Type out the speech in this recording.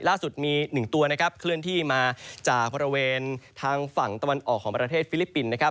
ล่าสุดมี๑ตัวนะครับเคลื่อนที่มาจากบริเวณทางฝั่งตะวันออกของประเทศฟิลิปปินส์นะครับ